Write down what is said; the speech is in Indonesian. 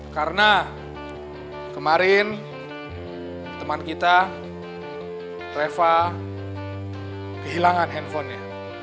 karena kemarin teman kita reva kehilangan handphonenya